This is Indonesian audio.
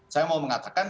saya mau mengatakan